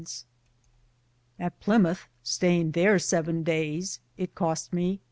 121.) At Plimmouthe, stayinge thare seven Dayes it coste me .